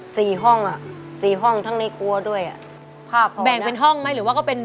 สี่ห้องอ่ะสี่ห้องทั้งในครัวด้วยอ่ะครับแบ่งเป็นห้องไหมหรือว่าก็เป็น